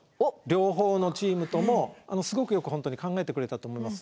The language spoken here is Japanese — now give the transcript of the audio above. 両方のチームともすごくよく本当に考えてくれたと思います。